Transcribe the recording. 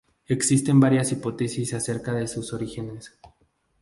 Existen varias hipótesis acerca de sus orígenes.